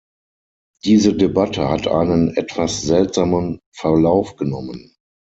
Diese Debatte hat einen etwas seltsamen Verlauf genommen.